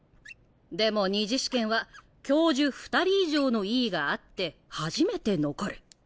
でも２次試験は教授２人以上の「いい」があって初めて残る。